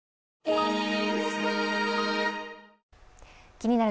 「気になる！